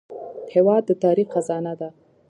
هېواد د تاریخ خزانه ده.